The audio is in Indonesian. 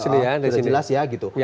sudah jelas ya gitu